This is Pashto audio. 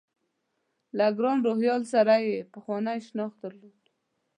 له ګران روهیال سره یې پخوانی شناخت درلود.